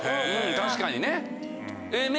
確かにね。